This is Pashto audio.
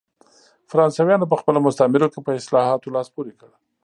فرانسویانو په خپلو مستعمرو کې په اصلاحاتو لاس پورې کړ.